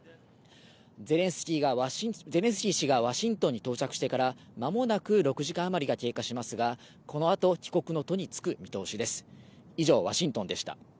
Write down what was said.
ゼレンスキー氏がワシントンに到着してから、間もなく６時間あまりが経過しますが、この後、帰国の途につく見通しです。